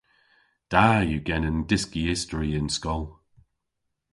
Da yw genen dyski istori y'n skol.